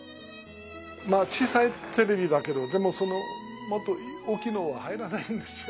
小さいテレビだけどでもそのもっと大きいのは入らないんですよ。